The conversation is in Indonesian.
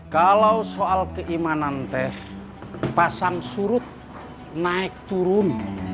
kalau soal keimanan teh pasang surut naik turun